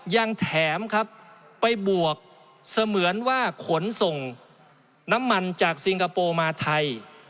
ยังแถมครับไปบวกเสมือนว่าขนส่งน้ำมันจากซิงคโปร์มาไทย